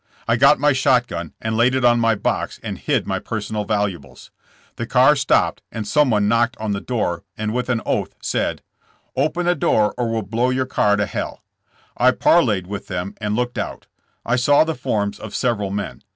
I got my shot gun and laid it on my box and hid my personal valuables. The car stopped and some one knocked on the door and with an oath, said: " 'Open the door or we'll blow your car to hell.' "I parleyed with them and looked out. I saw the forms of several men.